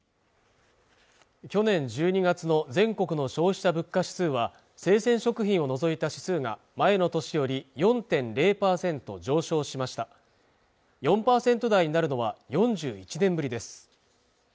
去年１２月の全国の消費者物価指数は生鮮食品を除いた指数が前の年より４．０％上昇しました４％台になるのは４１年ぶりです